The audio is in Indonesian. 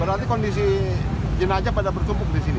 berarti kondisi jenajah pada berkumpul di sini